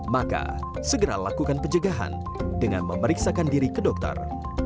maka segera lakukan penjagaan dengan memeriksakan diri ke dokter